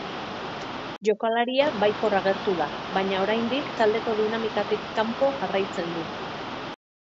Jokalaria baikor agertu da, baina oraindik taldeko dinamikatik kanpo jarraitzen du.